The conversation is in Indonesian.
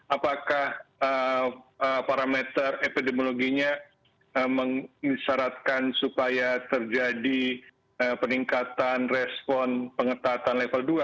apakah parameter epidemiologinya mengisyaratkan supaya terjadi peningkatan respon pengetatan level dua